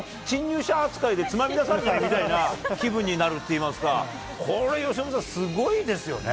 侵入者扱いでつまみ出されない？っていうような気分になるっていうか、これ、由伸さん、すごいですよね。